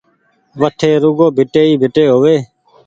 وٺي رڳو ڀيٽي ئي ڀيٽي هووي